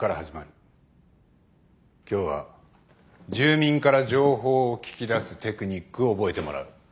今日は住民から情報を聞き出すテクニックを覚えてもらう。